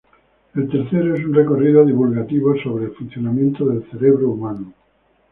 El tercero es un recorrido divulgativo sobre el funcionamiento del cerebro humano.